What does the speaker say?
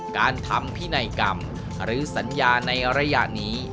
การทำพินัยกรรมหรือสัญญาในระยะนี้